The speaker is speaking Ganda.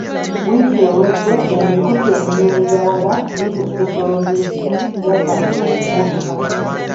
Wiiki ewedde, emikutu eminyumizawala giyite Sosolo midiya, gyatandika okumubika.